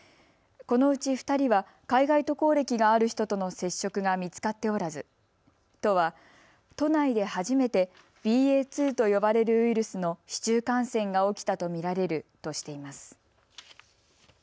このうち２人は海外渡航歴がある人との接触が見つかっておらず都は都内で初めてＢＡ．２と呼ばれるウイルスの市中感染が起きたと見られるとしています。